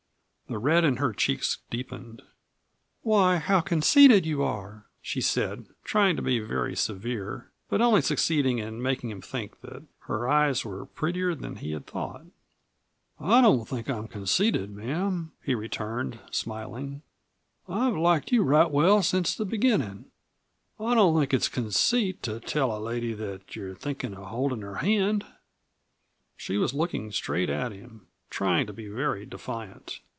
The red in her cheeks deepened. "Why, how conceited you are!" she said, trying to be very severe, but only succeeding in making him think that her eyes were prettier than he had thought. "I don't think I am conceited, ma'am," he returned, smiling. "I've liked you right well since the beginning. I don't think it's conceit to tell a lady that you're thinkin' of holdin' her hand." She was looking straight at him, trying to be very defiant.